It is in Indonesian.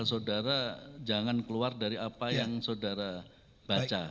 saudara jangan keluar dari apa yang saudara baca